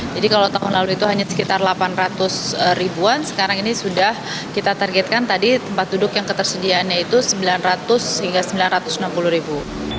jadi kalau tahun lalu itu hanya sekitar delapan ratus ribuan sekarang ini sudah kita targetkan tadi tempat duduk yang ketersediaannya itu sembilan ratus hingga sembilan ratus enam puluh ribu